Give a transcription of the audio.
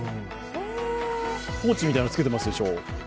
ポーチみたいのつけてますでしょ？